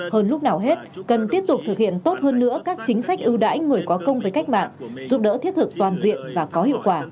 hơn lúc nào hết cần tiếp tục thực hiện tốt hơn nữa các chính sách ưu đãi người có công với cách mạng giúp đỡ thiết thực toàn diện và có hiệu quả